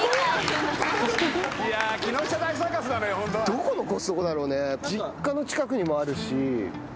どこのコストコだろうね？